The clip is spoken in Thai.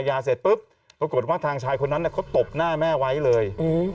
เสร็จปุ๊บปรากฏว่าทางชายคนนั้นเขาตบหน้าแม่ไว้เลย